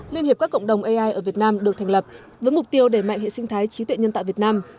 liên hiệp các cộng đồng ai ở việt nam được thành lập với mục tiêu để mạnh hệ sinh thái trí tuệ nhân tạo việt nam